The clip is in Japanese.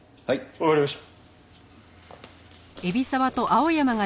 わかりました。